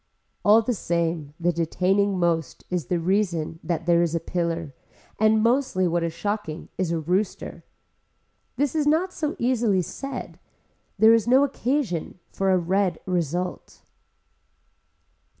All the same the detaining most is the reason that there is a pillar and mostly what is shocking is a rooster. This is not so easily said. There is no occasion for a red result.